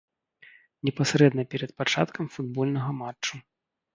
Непасрэдна перад пачаткам футбольнага матчу.